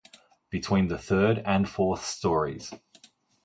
Between the third and fourth stories.